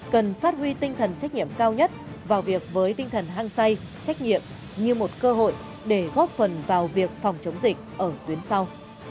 cần phát huy tinh thần trách nhiệm cao nhất vào việc với tinh thần hăng say trách nhiệm như một cơ hội để góp phần vào việc phòng chống dịch ở tuyến sau